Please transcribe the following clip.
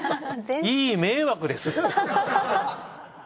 いい迷惑です。